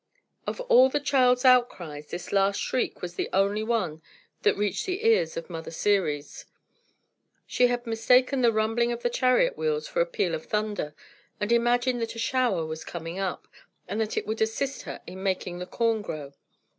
Of all the child's outcries, this last shriek was the only one that reached the ears of Mother Ceres. She had mistaken the rumbling of the chariot wheels for a peal of thunder, and imagined that a shower was coming up, and that it would assist her in making the corn grow.